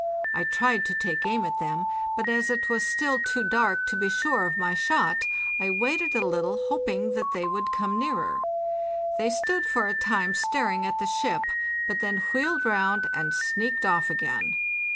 I tried to take aim at them, but as it was still too dark to be sure of my shot, I waited a little, hop ing that they would come nearer. They stood fora time staring at the ship, but then wheeled round and sneaked off again.